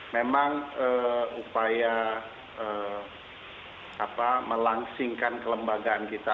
memang upaya melangsingkan kelembagaan kita